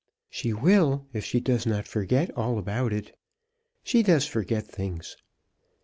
"She will if she does not forget all about it. She does forget things.